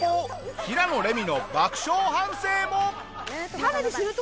平野レミの爆笑半生も。